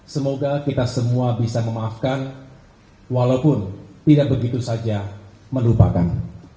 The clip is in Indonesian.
semoga kita semua bisa memaafkan walaupun tidak begitu saja melupakan